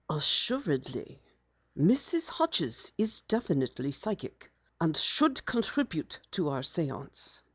"Assuredly. Mrs. Hodges is definitely psychic and should contribute to our séance."